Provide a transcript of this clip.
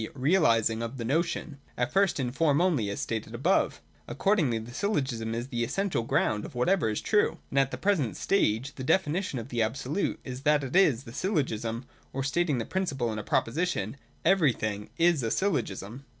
e. realising of the notion, at first in form only, as stated above ? Accordingly the Syllogism is the essential ground of whatever is true : and at the present stage the definition of the Absolute is that it is the Syllogism, or stating the principle in a proposition: Everything is a Syllogism.